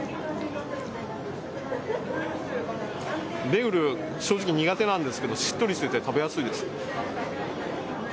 ベーグル、正直苦手なんですけどしっとりしてて食べやすいです。